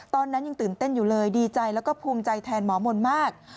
ตอนนั้นยังตื่นเต้นอยู่เลยดีใจแล้วก็ภูมิใจแทนหมอมนต์มาก